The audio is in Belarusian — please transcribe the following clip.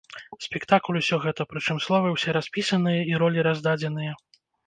Спектакль усё гэта, прычым словы ўсе распісаныя і ролі раздадзеныя.